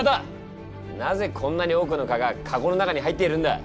なぜこんなに多くの蚊がカゴの中に入っているんだ。